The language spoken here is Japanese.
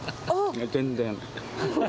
全然。